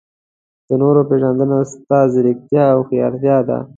د نورو پېژندنه ستا ځیرکتیا او هوښیارتیا ده.